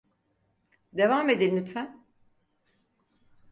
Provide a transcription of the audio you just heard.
Devam edin lütfen.